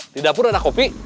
di dapur ada kopi